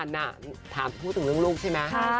ถามพูดถึงเรื่องลูกใช่ไหม